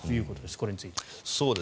これについては。